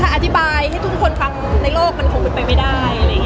อธิบายให้ทุกคนฟังในโลกมันคงเป็นไปไม่ได้